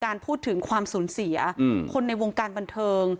พูดถึงความสูญเสียคนในวงการบันเทิง